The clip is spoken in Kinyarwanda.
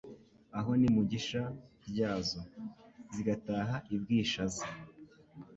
Aho ni mu igisha ryazo; Zigataha i Bwishaza,